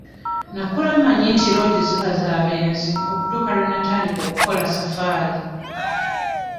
Nakula manyi nti loogi ziba za benzi okutuuka lwe natandika okukola safaari.